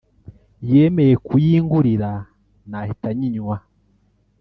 yemeye kuyingurira nahita nyinywa